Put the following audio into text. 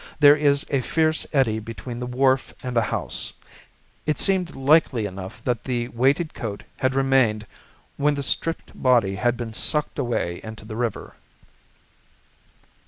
There is a fierce eddy between the wharf and the house. It seemed likely enough that the weighted coat had remained when the stripped body had been sucked away into the river."